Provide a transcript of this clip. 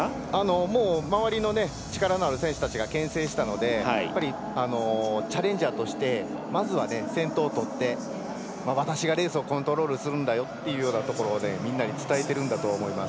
もう、周りの力のある選手たちがけん制したのでチャレンジャーとしてまずは先頭を取って私がレースをコントロールするんだよというところをみんなに伝えているんだと思います。